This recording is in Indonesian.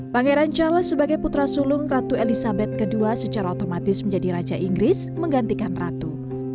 pangeran charles sebagai putra sulung ratu elizabeth ii secara otomatis menjadi raja inggris menggantikan ratu